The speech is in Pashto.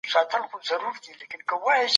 دولتونه د خپلو استازو له لارې اړیکي پالي.